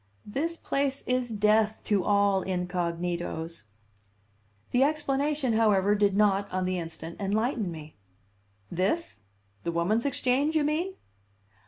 "This place is death to all incognitos." The explanation, however, did not, on the instant, enlighten me. "This? The Woman's Exchange, you mean?"